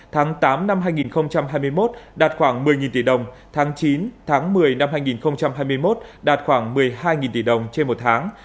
tháng tám năm hai nghìn hai mươi một đạt khoảng một mươi tỷ đồng tháng chín tháng một mươi năm hai nghìn hai mươi một đạt khoảng một mươi hai tỷ đồng trên một tháng